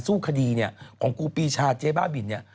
สู้คดีของกูปีชาเจ้าบ้าบิน